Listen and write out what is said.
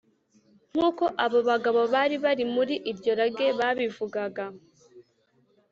nk’uko abo bagabo bari bari muri iryo rage babivugaga